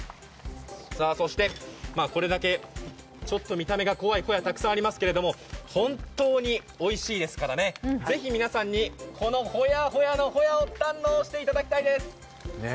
そしてこれだけ見た目が怖いホヤ、たくさんいますけど本当においしいですから、ぜひ皆さんにこのホヤホヤのホヤを堪能していただきたいです。